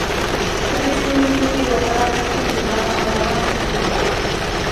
Pero iso non lle impediu acadar dez puntos grazas a unha gran efectividade.